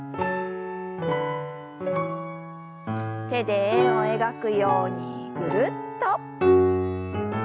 手で円を描くようにぐるっと。